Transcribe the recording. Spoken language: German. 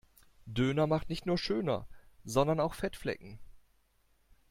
Döner macht nicht nur schöner sondern auch Fettflecken.